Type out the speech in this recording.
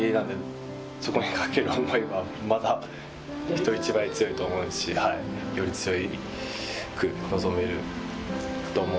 そこにかける思いはまだ人一倍強いと思いますしより強く臨めると思うんで。